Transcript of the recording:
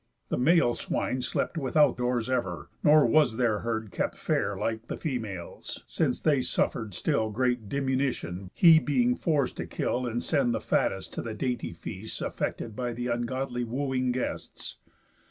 The male swine slept Without doors ever; nor was their herd kept Fair like the females, since they suffer'd still Great diminution, he being forc'd to kill And send the fattest to the dainty feasts Affected by th' ungodly wooing guests.